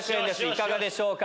いかがでしょうか？